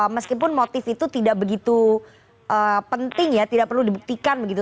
meskipun motif itu tidak begitu penting ya tidak perlu dibuktikan begitu